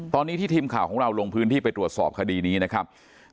ตอนนี้ที่ทีมข่าวของเราลงพื้นที่ไปตรวจสอบคดีนี้นะครับ